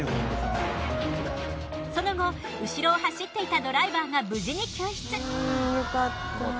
その後後ろを走っていたドライバーが無事に救出。